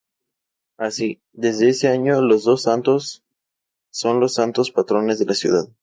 Así, desde ese año, los dos santos son los santos patrones de la ciudad.